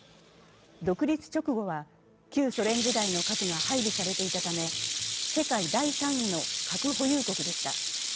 独立直後は、旧ソ連時代の核が配備されていたため世界第３位の核保有国でした。